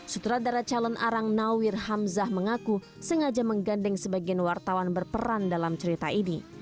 sutradara calon arang nawir hamzah mengaku sengaja menggandeng sebagian wartawan berperan dalam cerita ini